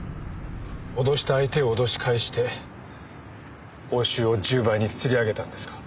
脅した相手を脅し返して報酬を１０倍につり上げたんですか。